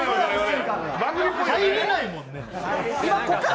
入れないもんね。